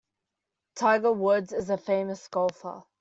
Tiger Woods is a famous golfer.